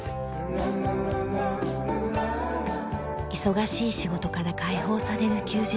忙しい仕事から解放される休日